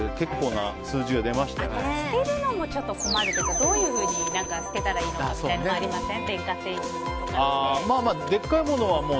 あと、捨てるのも困るというかどういうふうに捨てたらいいのかみたいなのありません？